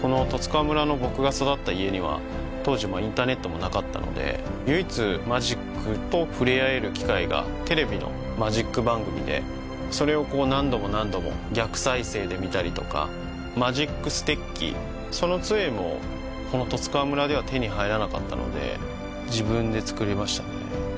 この十津川村の僕が育った家には当時インターネットもなかったので唯一マジックと触れあえる機会がテレビのマジック番組でそれをこう何度も何度も逆再生で見たりとかマジックステッキそのつえもこの十津川村では手に入らなかったので自分で作りましたね